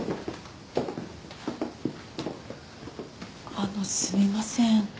あのすみません。